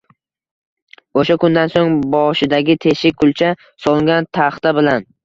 O'sha kundan so'ng boshidagi teshik-kulcha solingan taxta bilan